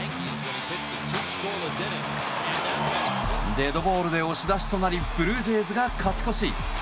デッドボールで押し出しとなりブルージェイズが勝ち越し。